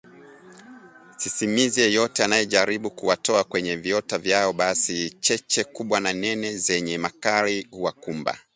Sisimizi yeyote anayejaribu kuwatoa kwenye viota vyao basi cheche kubwa na nene zenye makali huwakumba